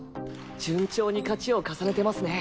順調に勝ちを重ねてますね。